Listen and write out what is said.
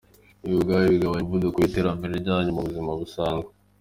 Ibi ubwabyo bigabanya umuvuduko w’iterambere ryanyu mu buzima busanzwe.